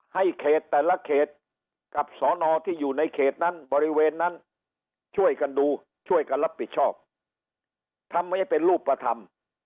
เขตแต่ละเขตกับสอนอที่อยู่ในเขตนั้นบริเวณนั้นช่วยกันดูช่วยกันรับผิดชอบทำให้เป็นรูปธรรม